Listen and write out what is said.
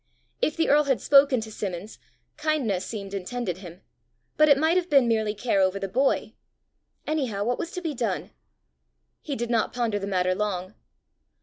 If the earl had spoken to Simmons, kindness seemed intended him; but it might have been merely care over the boy! Anyhow, what was to be done? He did not ponder the matter long.